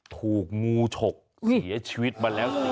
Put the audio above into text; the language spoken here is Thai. ถูกงูฉกเสียชีวิตมาแล้ว